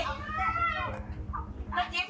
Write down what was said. นักจิตเจ็บหรือนักจิต